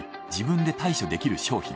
自分で対処できる商品。